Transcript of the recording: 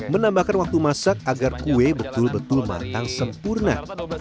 menambahkan waktu masak agar kue betul betul matang sempurna